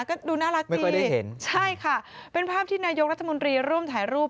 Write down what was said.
ก็ดูน่ารักดีใช่ค่ะเป็นภาพที่นายกรัฐมนตรีร่วมถ่ายรูป